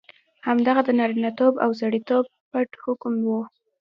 همدغه د نارینتوب او سړیتوب پت حکم وو.